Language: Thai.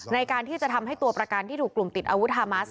ในการที่จะทำให้ตัวประกันที่ถูกกลุ่มติดอาวุธฮามัส